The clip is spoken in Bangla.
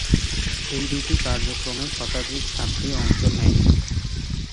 এই দুটি কার্যক্রমে শতাধিক ছাত্রী অংশ নেয়।